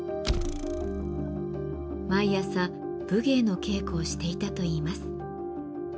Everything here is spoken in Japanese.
毎朝武芸の稽古をしていたといいます。